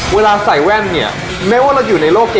เวลาใส่แว่นเนี่ยแม้ว่าเราอยู่ในโลกเกม